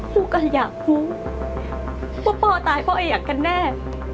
ลูกก็อยากรู้ว่าพ่อตายพ่ออยากกันแน่